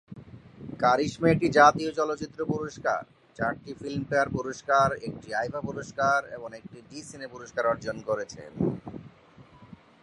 কারিশমা একটি জাতীয় চলচ্চিত্র পুরস্কার, চারটি ফিল্মফেয়ার পুরস্কার, একটি আইফা পুরস্কার এবং একটি জি সিনে পুরস্কার অর্জন করেছেন।